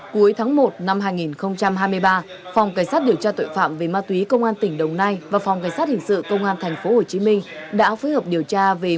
cuối tháng một năm hai nghìn hai mươi ba phòng cảnh sát điều tra tội phạm về ma túy công an tỉnh đồng nai và phòng cảnh sát hình sự công an tp hcm đã phối hợp điều tra